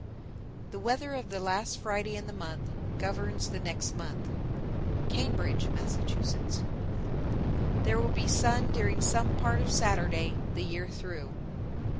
The weather of the last Friday in the month governs the next month. Cambridge, Mass. 941. There will be sun during some part of Saturday the year through.